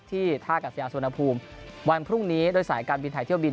ที่ท่ากับสยาสวนภูมิวันพรุ่งนี้โดยสายการบินไถเที่ยวบิน